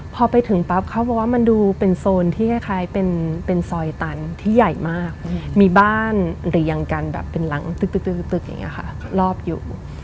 ขอไปถึงพบเขาบอกว่ามันมีโซนที่คล้ายเป็นซอยตันที่ใหญ่มากมีบ้านเรียงกันแบบเป็นหลังตึ๊กค่ะรอบอยู่